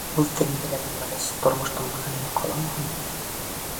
Үҙ телеңде лә белмәгәс, тормоштоң мәғәнәһе ҡаламы һуң?